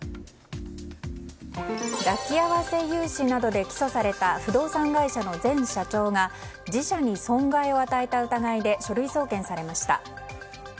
抱き合わせ融資などで起訴された不動産会社の前社長が自社に損害を与えた疑いで書類送検されました。